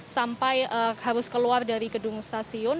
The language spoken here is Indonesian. sampai harus keluar dari gedung stasiun